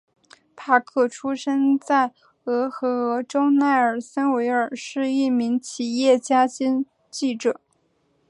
帕克出生在俄亥俄州奈尔森维尔是一名企业家兼记者。